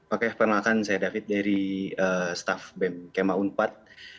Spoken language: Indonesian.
oke permintaan saya david dari staff bem kemah unpad